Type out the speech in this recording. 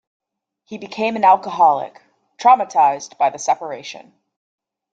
He became an alcoholic, traumatized by the separation.